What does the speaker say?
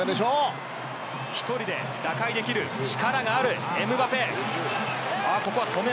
１人で打開できる力があるエムバペ。